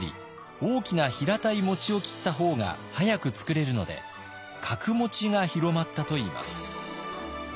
大きな平たいを切った方が早く作れるので角が広まったといいます。